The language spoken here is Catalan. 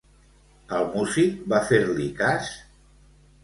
El músic va fer-li cas?